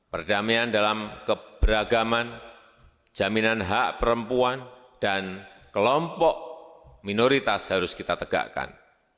perdamaian dalam keberagaman jaminan hak perempuan dan kelompok minoritas harus kita tegakkan